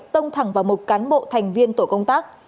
tông thẳng vào một cán bộ thành viên tổ công tác